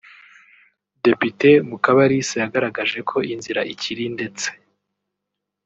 Depite Mukabalisa yagaragaje ko inzira ikiri ndetse